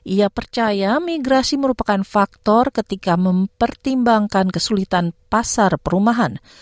ia percaya migrasi merupakan faktor ketika mempertimbangkan kesulitan pasar perumahan